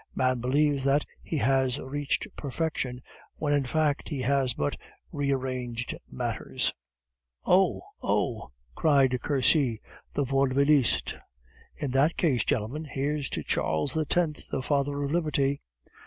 Man believes that he has reached perfection, when in fact he has but rearranged matters." "Oh! oh!" cried Cursy, the vaudevilliste; "in that case, gentlemen, here's to Charles X., the father of liberty."